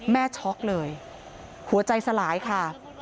ช็อกเลยหัวใจสลายค่ะ